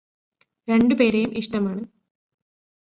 രണ്ടു പേരെയും ഇഷ്ടമാണ്